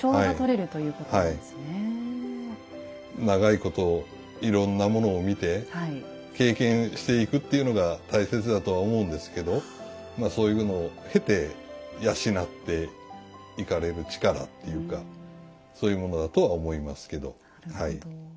長いこといろんなものを見て経験していくっていうのが大切だとは思うんですけどそういうものを経て養っていかれる力っていうかそういうものだとは思いますけどはい。